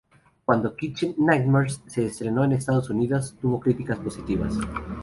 Cuando "Kitchen Nightmares" se estrenó en Estados Unidos, tuvo críticas positivas.